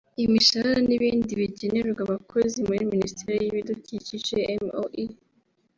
imishahara n’ibindi bigenerwa Abakozi muri Minisiteri y’Ibidukikije (MoE);